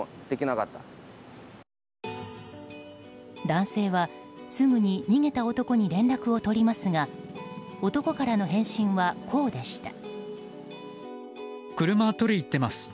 男性は、すぐに逃げた男に連絡を取りますが男からの返信はこうでした。